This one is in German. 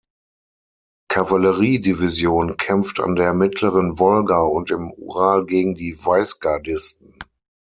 Kavalleriedivision kämpft an der Mittleren Wolga und im Ural gegen die Weißgardisten.